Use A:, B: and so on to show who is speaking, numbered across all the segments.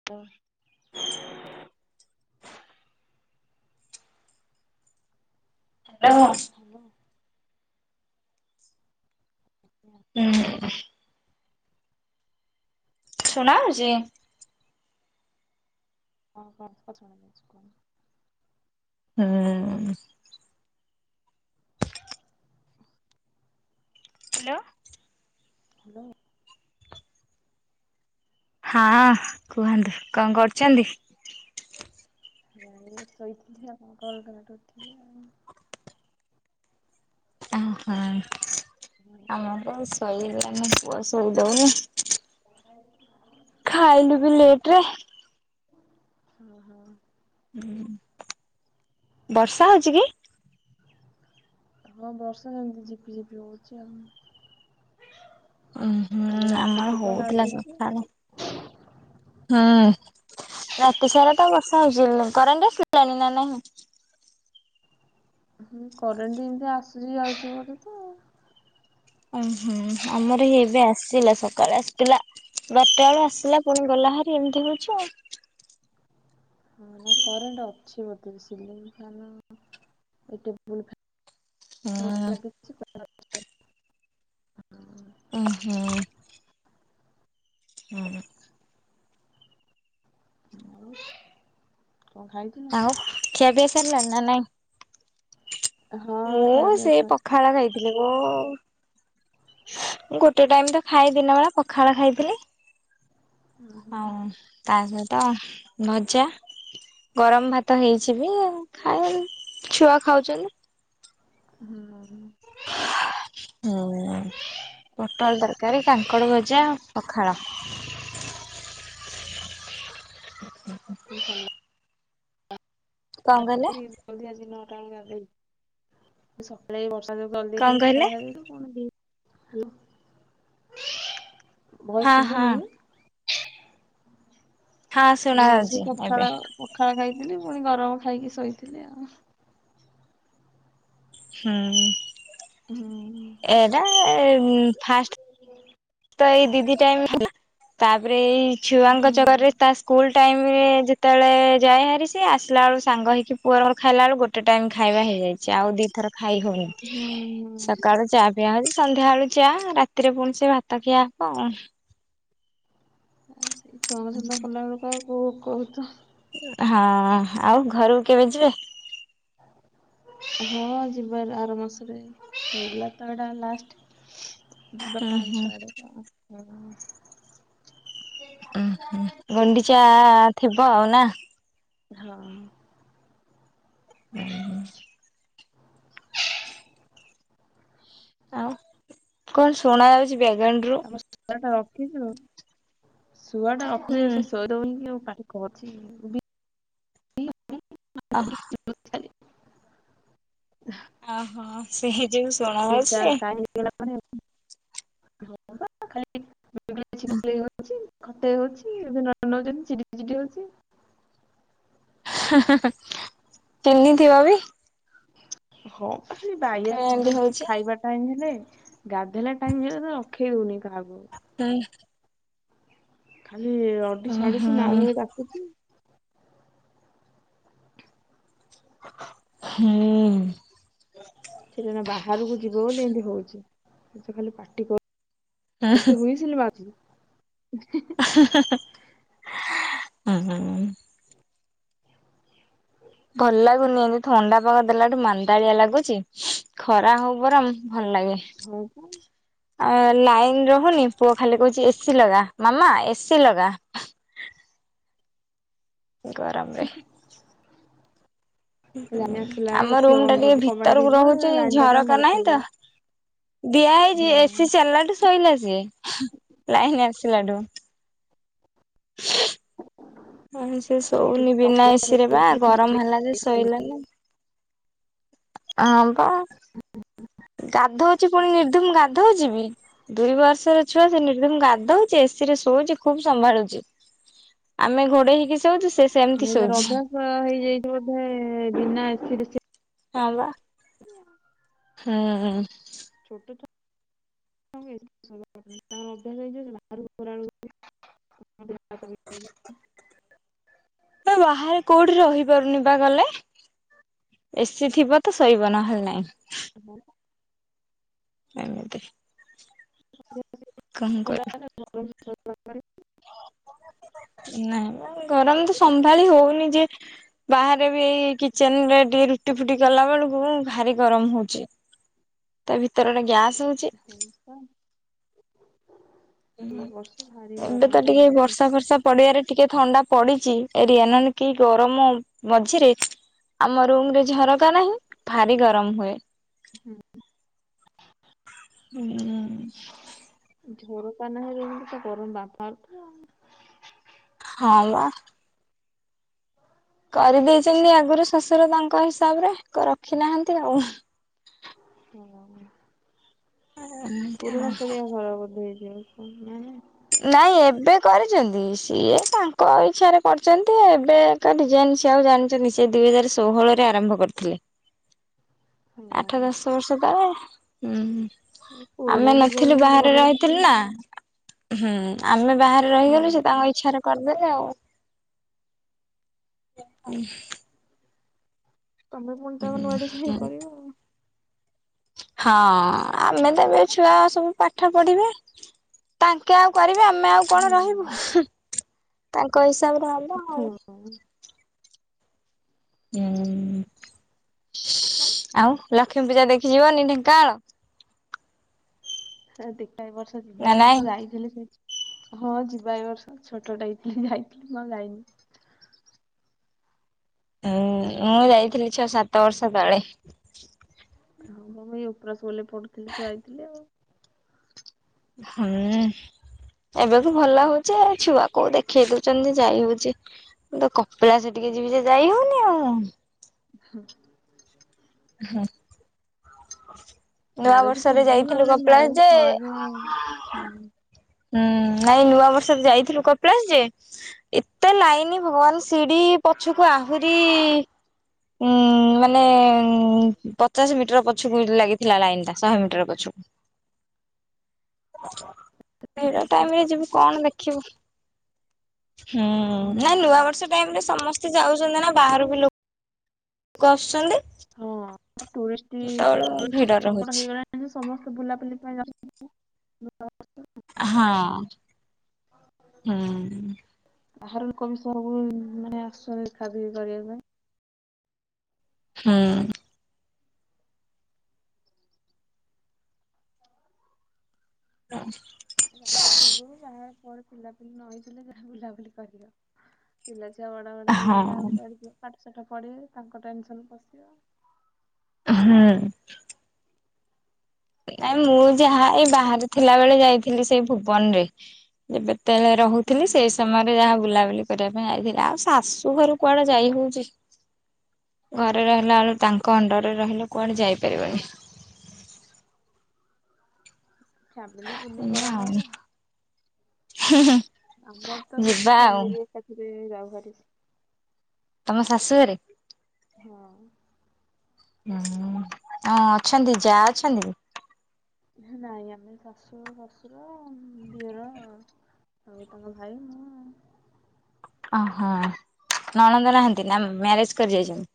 A: [inaudible]
B: [inaudible] [inaudible]
A: Hello.
B: ହୁଁ ଉଁ। ଶୁଣାହଉଚି।
A: ହଁ କଂ କଂ ଶୁଣା ଯାଉଚି କୁହନ୍ତୁ।
B: ହୁଁ। ହ୍ୟାଲୋ।
A: ହ୍ୟାଲୋ।
B: ହଁ କୁହନ୍ତୁ କଣ କରୁଚନ୍ତି?
A: ନାଇଁ ଶୋଇଥିଲି ଆଣଙ୍କ କଲ୍ କଲାଠୁ ଉଠିଲି ଆଉ।
B: ଆ ହୋ।
A: ହୁଁ।
B: ଆ ମୁଁ ତ ଆଉ ଶୋଇ ପାରୁନି ପୁଅ ଶୋଇଦଉନି। ଖାଇଲୁ ବି ଲେଟ୍ ରେ।
A: ହଁ, ହଁ।
B: ବର୍ଷା ହଉଛୁ କି?
A: ହଁ ବର୍ଷା ସେମିତି ଝିପିଝିପି ହଉଛି ଆଉ।
B: ଉଁ, ହୁଁ,
A: କାଲି
B: ଆମର
A: ରାତିଠୁ ତ
B: ହଉଥିଲା
A: ଲାଗିଛି
B: ସଖାଳେ ହୁଁ,। ରାତି ସାରା ତ ବର୍ଷା ହଉଛି ହେଲେ କରେଣ୍ଟେ ଆସିଲାଣି ନା ନାହିଁ?
A: ହୁଁ, କରେଣ୍ଟ ଏମିତି ଆସୁଚି ଯାଉଛି ବୋଧେ ତ। ଆଉ।
B: ଓ ହୁଁ ଆମର ହି ଏବେ ଆସିଲା ସକାଳେ ଆସିଥିଲା ବାରଟା ବେଳେ ଆସିଲା ପୁଣି ଗଲା ଭାରି ଏମିତି ହଉଛି ଆଉ।
A: ହଁ ନା କରେଣ୍ଟ ଅଛି ବୋଧେ ସିଲିଙ୍ଗ ଫେନ୍ ଏ ଟେବୁଲ୍ ଫେ
B: ହୁଁ।
A: [inaudible]
B: ଓହୋ। ହଁ, ହଁ।
A: ହଁ ଆଉ କଣ ଖାଇ
B: ଆଉ ଖିଆ ପିଆ ସରଲାଣି ନା ନାଇଁ?
A: ହଁ ଖାଇବା
B: ମୁଁ
A: ପିଇବା
B: ସେଇ
A: ସରି
B: ପଖାଳ ଖାଇ ଥିଲେ କ-ମୁଁ ଗୋଟେ ଟାଇମ୍ ତ ଖାଏ ଦିନବେଳା ପଖାଳ ଖାଇଥିଲି।
A: ହୁଁ
B: ଆଉ ତା ସହିତ ଭଜା। ଗରମ ଭାତ ହେଇଛି ବି ଖାଏ, ଛୁଆ ଖାଉଛନ୍ତି।
A: ହୁଁ।
B: ହଁ। ପୋଟଳ ତରକାରୀ, କାଙ୍କଡ଼ ଭଜା ପଖାଳ। ହଁ, ହଁ।
A: [inaudible]
B: କଣ
A: [inaudible]
B: କହିଲେ
A: ଜଲଧି ଆଜି ନଅଟା ମୁଁ ଗାଧେଇ ତ ସକାଳେ ଏ ବର୍ଷା ଯୋଗୁ ଜଲଦି
B: କଣ
A: ଉଠିକି
B: କହିଲେ
A: ପଖାଳ ଖାଇଦେଇଛୁ, ପୁଣି ଦି ହେଲୋ, ଭଏସ୍
B: ହଁ ହଁ
A: ଶୁଭୁନିକି?
B: ହଁ
A: କହିଲି
B: ଶୁଣା
A: ମୁଁ ତ ସେ
B: ଯାଉଛି ଏବେ
A: ପଖାଳ, ପଖାଳ ଖାଇଥିଲି, ପୁଣି ଗରମ ଖାଇକି ଶୋଇଥିଲି ଆଉ।
B: ହୁଁ।
A: ହୁଁ।
B: ଏଟା ଏ ଉଁ, ଫାଷ୍ଟ
A: [inaudible]
B: ତ ଏଇ ଦିଦି ଟାଇମ୍, ତାପରେ ଏଇ
A: ହୁଁ
B: ଛୁଆଙ୍କ ଚକରରେ ତାସ୍ ସ୍କୁଲ୍ ଟାଇମ୍ ରେ ଯେତେବେଳେ ଯାଏ ଭାରି ସିଏ ଆସିଲା ବେଳୁ ସାଙ୍ଗ ହେଇକି ପୁଅର ମୋର ଖାଇଲା ବେଳକୁ ଗୋ ଟେ ଟାଇମ୍ ଖାଇବା ହେଇଯାଇଛି, ଆଉ ଦିଥର ଖାଇ ହଉନି,
A: ହୁଁ
B: ସକାଳୁ ଚା ପିଆ ହଉଛି, ସନ୍ଧ୍ୟା ବେଳୁ ଚା ରାତିରେ ପୁଣି ସେ ଭାତ ଖିଆ ହବ ଆଉ।
A: ହଁ ସେଇ ଛୁଆଙ୍କ ସେବା କଲାବେଳକୁ ଆଉ କୋଉ ଭୋକ ହଉଥୁବ।
B: ହଁ, ଆଉ ଘରକୁ କେବେ ଯିବେ?
A: ହଁ ହଁ ଯିବାର ଆର ମାସରେ, ହେଲା ତ ଏଟା ଲାଷ୍ଟ ଯିବା
B: ହୁଁ
A: ପାଞ୍ଚ
B: ହୁଁ
A: ଛଅ ଆଡକୁ ଆଉ [inaudible]
B: ଗୁଣ୍ଡିଚା ଥିବ ଆଉ ନା?
A: ହଁ।
B: ଉଁ, ହୁଁ। ଆଉ କଣ ଶୁଣା ଯାଉଛି ବ୍ୟାଗାଣ୍ଡ୍ ରୁ?
A: ଆମ ଶୁଆ ଟା ଅଖିଛୁ ଶୁଆ ଟା ଅଖିଛି
B: ହୁଁ
A: ସେ ଶୋଇଦଉନି କି ଆଉ ପାଟି କ ଅଛି ବି
B: ଆହା।
A: ଖାଲି [inaudible]
B: ଓହୋ। ସେ ହେ ଯଉସ୍
A: ଶେ ତା ତାହି ଗଲା ପରେ [unintelligible] ଖତେଇ ହଉଛି ଏବେ ନ ହଉଛନ୍ତି ଚିଡି ଚିଡି ହଉଛି।
B: ହାଁ ହାଁ ହାଁ ଚହ୍ନିଥିବ ବି
A: ହଁ ଖାଲି ବାଇଆ
B: ଏମିତି
A: କଦଉଛି
B: ହଉଛି।
A: ଖାଇବା ଟାଇମ୍ ହେଲେ ଗାଧେଇଲା ଟାଇମ୍ ହେଲେ ସେ ରଖେଇ ଦଉନି କାହାକୁ।
B: କାଇଁ?
A: ଖାଲି ରଡି ଛାଡୁଛି
B: ହୁଁ
A: ନାଳୁ ଭାଇ ଡାକୁଛି।
B: ହୁଁ।
A: ସେଟା ନା ବାହାରକୁ ଯିବ ବୋଲି ଏମିତି ହଉଛି ସେ ଖାଲି ପାଟି କ ଲି ହୁଇସିଲି ମାରୁଚି କି?
B: ହେଁ ହେଁ ହେଁ ଉଁ
A: [inaudible]
B: ଭଲ ଲାଗୁନି ଏମତି ଥଣ୍ଡା ପାଗ ଦେଲାଠୁ ମାନ୍ଦାଳିଆ ଲାଗୁଚି। ଖରା ହଉ ବରଂ ଭଲ ଲାଗେ।
A: ହଉ ପୁ
B: ଅ ଲାଇନ୍ ରହୁନି ପୁଅ ଖାଲି କହୁଛି ଏସି ଲଗା ମାମା ଏସି ଲଗା। ଗରମ ରେ।
A: ପା
B: ଉଁହୁଁ
A: ରାନୀ ଆସିଲା ବେଳେ
B: ଆମ
A: ଏସି
B: ରୁମ
A: ଅନ୍
B: ଟା ଟିକେ
A: କରିଦେଇ କବାଟ
B: ଭିତରକୁ
A: ଦେଇଦିଅ
B: ରହୁଛି
A: ଲାଇନ ଟା ତାଙ୍କ
B: ଝରକା
A: ଘରେ
B: ନାହିଁ
A: ପଳେଇବ
B: ତ ଦିଆ ହେଇଛି
A: ହଁ
B: ଏସିି ଚାଲିଲାଠୁ ଶୋଇଲା ସିଏ ଲାଇନ୍ ଆସିଲା ଠୁ। ନନେ ସେ
A: ଛୋଟ
B: ଶୋଉନି
A: ଛୁଆ
B: ବିନା ଏସିିରେ ବା ଗରମ ହେଲା ଯେ ଶୋଇଲାନି। ହଁ ପା।
A: [inaudible]
B: ଗାଧଉଛି ପୁଣି ନିର୍ଦ୍ଧୁମ ଗାଧଉଚି ବି। ଦୁଇ ବର୍ଷର ଛୁଆ ସେ ନିର୍ଦ୍ଧୁମ୍ ଗାଧଉଛି ଏସି ରେ ଶୋଉଛି ଖୁବ ସମ୍ଭାଳୁଛି। ଆମେ ଘୋଡେଇ ହେଇକି ଶୋଉଚୁ ସ
A: ଦୁଇ ହଜାର ଅଭ୍ୟାସ ହେଇଯାଇଛି ବୋଧେ ବିନା ଏସି ରେ ସୋ
B: ହଁ ବା।
A: [unintelligible]
B: ହୁଁ।
A: ଛୋଟ ଛୁଆଙ୍କୁ ତାଙ୍କର ଅଭ୍ୟାସ ହେଇଯିବ ଯାଣିଛୁନା। [unintelligible]
B: [inaudible] ବାହାରେ କୋଉଠି ରହିପାରୁନି ପା ଗଲେ। ଏସିି ଥିବ ତ ଶୋଇବ ନହେଲେ ନାଇଁ।
A: ହଁ।
B: ଏମିତି। କଣ କରିବୁ
A: [unintelligible] [unintelligible]
B: ନାଇଁମ, ଗରମ ତ ସମ୍ଭାଳି ହଉନି ଯେ ବାହାରେ ବି ଏଇ କିଚେନ ରେ ଟିକେ ରୁଟି ଫୁଟି କଲା ବେଳକୁ, ଭାରି ଗରମ ହଉଚି। ତା ଭିତରଟା ଗ୍ୟାସ ହଉ
A: ଶୋଇଚ [unintelligible]
B: ଏବେ ତ ଟିକେ ବର୍ଷା ଫର୍ଷା ପଡିବାରେ ଟିକେ ଥଣ୍ଡା ପଡିଚି, ଏରିିୟନନ କି ଗରମ ମଝିରେ ଆମ ରୁମରେ ଝରକା ନାହିଁ, ଭାରି ଗରମ ହୁଏ। ହୁଁ ଉଁ
A: ଝରକା ନାହିଁ ଯେମିତି ତ, ଗରମ ବାମ୍ଫ ବାହାରୁଥାଏ।
B: ହା ୟା। କରିଦେଇଚନ୍ତି ଆଗରୁ ଶ୍ୱଶୁର ତାଙ୍କ ହିସାବରେ, କ ରଖି ନାହାନ୍ତି ଆଉ।
A: ହଁ, ପୁରୁଣା କାଳିଆ ଘର ବୋଧେ ହେଇଥିବ? [unintelligible]
B: ନାଇଁ ଏବେ କରିଚନ୍ତି, ସିଏ ତାଙ୍କ ଇଛାରେ କରିଚନ୍ତି, ଏବେ ତ ଡିଜାଇନ୍ ସେ ଆଉ ଜାଣିଚନ୍ତି, ସେ ଦୁଇ ହଜାର ଷୋହଳ ରେ ଆରମ୍ଭ କରିଥିଲେ। ଆଠ ଦଶ ବର୍ଷ ତଳେ। ହୁଁ ହୁଁ,
A: ପୁରୁଣା
B: ଆମେ ନଥିଲୁ
A: ଡିଜାଇନିଂ
B: ବାହାରେ
A: ଘର
B: ରହିଥିଲୁ ନା। ହୁଁ, ଆମେ ବାହାରେ
A: ହୁଁ
B: ରହିଗଲୁ, ସେ ତାଙ୍କ ଇଛାରେ କରିଦେଲେ ଆଉ।
A: ତମେ ପୁଣି ତାକୁ ନୂଆ ଡିଜାଇନ୍ କରିବ ଆଉ।
B: ହଁ, ଆମେ ତ ଏବେ ଛୁଆ ସବୁ ପାଠ ପଢିବେ। ତାଙ୍କେ ଆଉ କରିବେ, ଆମେ ଆଉ କଣ
A: ହୁଁ।
B: ରହିବୁ, ହୁଁ, ତାଙ୍କ ହିସାବରେ ହବ ଆଉ।
A: ହଉ।
B: ଆଉ, ଲକ୍ଷ୍ମୀ ପୂଜା ଦେଖିଯିବାନି, ଢେଙ୍କାନାଳ?
A: [unintelligible] ଏ ବର୍ଷ ଯିବା,
B: ନା
A: ମୁଁ
B: ନାଇଁ?
A: ତ ଯାଇଥିଲି ସେଠି ହଁ ଯିବା ଏ ବର୍ଷ, ଛୋଟଟେ ହେଇଥିଲି ଯାଇଥିଲି, ମୁଁ ଆଉ ଯାଇନି।
B: ହୁଁ, ମୁଁ ଯାଇଥିଲି ଛଅ ସାତ ବର୍ଷ ତଳେ।
A: ହଁ, ମୁଁ ପା ଏଇ ଉପ୍ରା ସ୍କୁଲରେ ପଢୁଥିଲି ତ, ଯାଇଥିଲି ଆଉ।
B: ହଁନ୍। ଏବେ ବି ଭଲ ହଉଛି ଆଉ, ଛୁଆ କୋଉ ଦେଖେଇ ଦଉଛନ୍ତି ଯେ, ଯାଇ ହଉଛି। ମୁଁ ତ କପିଳାସ ଟିକେ ଯିବି ଯେ, ଯାଇ ହଉନି ଆଉ।
A: ହଁ
B: ହୁଁ, ନୂଆ
A: ମ୍ୟାରେଜ
B: ବର୍ଷରେ
A: ପୂର୍ବରୁ
B: ଯାଇଥିଲୁ କପିଳାସ ଯେ
A: ହୁଁଉଁ।
B: ହୁଁ, ନାଇଁ ନୂଆ ବର୍ଷରେ ଯାଇଥିଲୁ କପିଳାସ ଯେ ଏତେ ଲାଇନି ଭଗବାନ, ଶିଡ଼ି ପଛକୁ ଆହୁରି ଉଁ, ମାନେ ପଚାଶ ମିଟର ପଛକୁ ଲାଗିଥିଲା ଲାଇନ୍ ଟା, ଶହେ ମିଟର ପଛକୁ।
A: [unintelligible]
B: ଭିଡ଼ ଟାଇମରେ ଯିବୁ, କଣ ଦେଖିବୁ? ହୁଁ, ନାଇଁ
A: ହୁଁ।
B: ନୂଆ ବର୍ଷ ଟାଇମ ରେ ସମସ୍ତେ ଯାଉଚନ୍ତି ନା, ବାହାରୁ ବି ଲୋ କସୁଚନ୍ତି।
A: ହଁ, ଟୁରିଷ୍ଟି
B: ଭିଡ
A: [unintelligible]
B: ରହୁଛି।
A: ହେଇଗଲାଣି। ଆମେ ସମସ୍ତେ ବୁଲାବୁଲି ପାଇଁ ଯାଉ [unintelligible]
B: ହଁ ହୁଁ।
A: ବାହାର ଲୋକ ବି ସବୁ ମାନେ ଆଶୁଛନ୍ତି ଦେଖା ଦୁଖି କରିବା ପାଇଁ।
B: ହୁଁ। [unintelligible]
A: ବାହାଘର ପୂର୍ବରୁ ବାହାଘର ପରେ ପିଲାପିଲି ନହେଇଥିଲେ ଯାହା ବୁଲାବୁଲି କରିବ। ପିଲା ଛୁଆ ବଡ ବଡ ହେଇଗଲେ ଆଉ
B: ହଁ
A: କୁଆଡେ ଯିବୁ ପାଠ ସାଠ ପଢିବେ ତାଙ୍କ ଟେନସନ ପଶିବ।
B: ହୁଁ। ନାଇ ମୁଁ ଯାହା ଏଇ ବାହାରେ ଥିଲା ବେଳେ ଯାଇଥିଲି ସେଇ ଭୁବନରେ। ଯେବେତେଳେ
A: ହୁଁ
B: ରହୁଥିଲି ସେଇ ସମୟ ଯାହା ବୁଲାବୁଲି କରିବା ପାଇଁ ଆଇଥିଲି ଆଉ ଶାଶୁ ଘରୁ କୁଆଡେ ଯାଇ ହଉଚି। ଘରେ ରହିଲା ବେଳୁ ତାଙ୍କ ଅଣ୍ଡରରେ ରହିଲେ କୁଆଡେ ଯାଇପାରିବନି।
A: ଫ୍ୟାମିଲି ବୁଲି ପଳା ନହେଲେ।
B: ହୁଁ ହୁଁ।
A: ଆମର ତ ସେଠି ଫ୍ୟାମିଲି ଏକାଥିରେ ଯାଉହାରି।
B: ତମ ଶାଶୁ ଘରେ?
A: ହଁ।
B: ହୁଁ ଆଁ ଅଛନ୍ତି ଯାହା ଅଛନ୍ତି?
A: ନାଇଁ ଆମେ ଶାଶୁ ଶାଶୁର ଦିଅର। ଆଉ ତାଙ୍କ ଭାଇ ମୁଁ।
B: ଓହୋ ନଣନ୍ଦ ନାହାନ୍ତି ନା ମ୍ୟାରେଜ କରି ଯାଇଛନ୍ତି?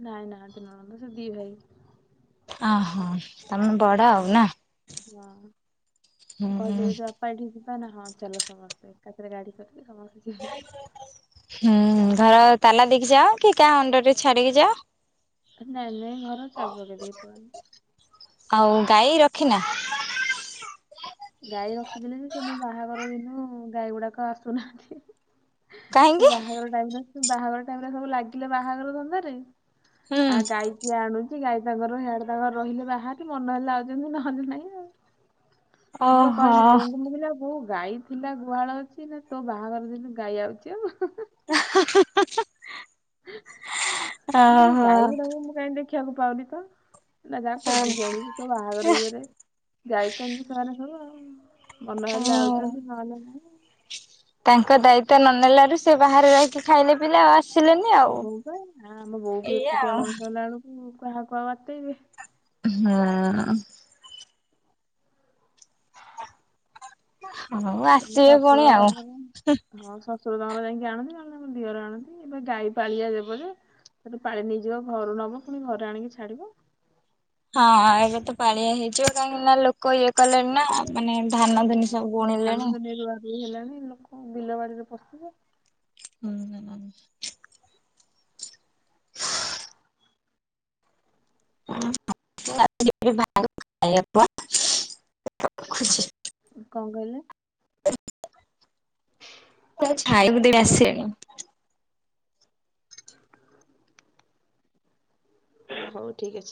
A: ନାଇଁ ନାହାନ୍ତି ନଣନ୍ଦ ସେ ଦି ଭାଇ।
B: ଅହଁ ତମେ ବଡ ଆଉ
A: ହଁ
B: ନା ହୁଁ।
A: ପାଢି ଯିବା ନା ହଁ ଚାଲ ସମସ୍ତେ ଏକାଥରେ ଗାଡି କରିକି ସମସ୍ତେ ଯିବେ।
B: ହୁଁ ଘର ତାଲା ଦେଇକି ଯାଅ କି କା ଅଣ୍ଡର ରେ ଛାଡିକି ଯାଅ।
A: ନାଇଁ ନାଇଁ ଘର ଚାବି ପକେଇ ଦେଇକି ପଳାନ୍ତି।
B: ଆଉ ଗାଈ ରଖିନା?
A: ଗାଈ ରଖିଥିଲେ ଯେ ସେ ମୋ ବାହାଘର ଦିନୁ ଗାଈ ଗୁଡାକ ଆସୁନାହାନ୍ତି। ଏ
B: କାହିଁକି?
A: ବାହାଘର ଟାଇମରେ ବାହାଘର ଟାଇମରେ ସବୁ ଲାଗିଲେ ବାହାଘର ଧନ୍ଦାରେ।
B: ହୁଁ
A: ଆ ଗାଈ କିଏ ଆଣୁଛି ଗାଈ ତାଙ୍କର ହେଆଡେ ତାଙ୍କର ରହିଲେ ବାହାରେ ମନ ହେଲେ ଆଉଚନ୍ତି ନହେଲେ ନାଇଁ। ମୁଁ ପା
B: ଓହୋ
A: କହିଲି ବୋଉଙ୍କୁ ମୁ କହିଲି ଆଉ ବୋଉ ଗାଇ ଥିଲା ଗୁହାଳ ଅଛି ନା ତୋ ବାହାଘର ଦିନୁ ଗାଇ ଆଉଛି ଆଉ।
B: [unintelligible]
A: ମୁଁ କହିଲି
B: ଓହୋ
A: ଗାଇଗୁଡାକୁ ମୁଁ କାଇଁ ଦେଖିବାକୁ ପାଉନି ତ। ନା ଯାହା ଖୋଜିକି ଆଣିବି ତୋ ବାହାଘର ଇଏରେ ଯାଇଛନ୍ତି ସେମାନେ ସବୁ ଆଉ। ମନ
B: ଅ।
A: ହେଲେ ଆଉଛନ୍ତି ନହେଲେ ନାହିଁ
B: ତାଙ୍କ ଦାୟିତ୍ଵ ନ ନେଲାରୁ ସେ ବାହାରେ ରହିକି ଖାଇଲେ ପିଲେ ଆଉ ଆସିଲେନି ଆଉ।
A: ବଉ ପା ଆ ଆମ ବୋଉ ବି
B: ଏଇଆ
A: ଏକୁଟିଆ
B: ଆଉ
A: ମଣିଷ ହେଲା ବେଳକୁ କାହାକୁ ଆଉ ଆତେଇବେ।
B: ହଁ। ହୁଁ ହଉ
A: ସିଏ ମୋ
B: ଆସିବେ ପୁଣି
A: ଶଶୁର ର
B: ଆଉ।
A: ତାଙ୍କର। ହଁ ଶ୍ୱଶୁର ତାଙ୍କର ଯାଇଁକି ଆଣନ୍ତି, ନହେଲେ ତାଙ୍କ ଦିଅର ଆଣନ୍ତି ଏବେ ଗାଈ ପାଳିଆ ଦେବ ଯେ। ତ ପାଳି ନେଇଯିବ ଘରୁ ନବ ପୁଣି ଘରେ ଆଣିକି ଛାଡିବ।
B: ହଁ ଏବେ ତ ପାଳିଆ ହେଇଯିବ କାହିଁକି ନା ଲୋକ ଇଏ କଲେଣି ନା ମାନେ ଧାନ
A: ହଁ
B: ଧୁନି ସବୁ ବୁଣିଲେଣି।
A: ଧାନ ତ ଏନେ ରୁଆ ରୁଇ ହେଲାଣି ଲୋକ ବିଲବାଡିରେ ପଶିଥିବେ।
B: ହୁଁ [unintelligible] [unintelligible]
A: କଁ କହିଲେ।
B: ମୁଁ ଯାଉଛି ଖାଇବାକୁ ଦେବି
A: ହ୍ୟାଲୋ
B: ଆସିଲେଣି।
A: [inaudible] ଆଁ ହୋଉ ଠିକ୍ ଅଛି।